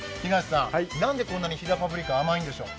なんでこんなに飛騨パプリカは甘いんでしょう？